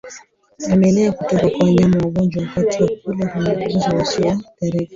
Vimelea kutoka kwa wanyama wagonjwa wakati wa kula huwaambukiza wasioathirika